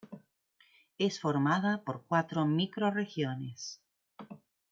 Es formada por cuatro microrregiones.